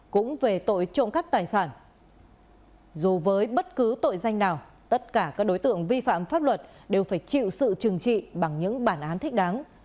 cũng về tội trộm cắt tài sản dù với bất cứ tội danh nào tất cả các đối tượng vi phạm pháp luật đều phải chịu sự trừng trị bằng những bản án thích đáng